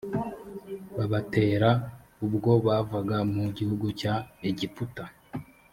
babatera ubwo bavaga mu gihugu cya egiputa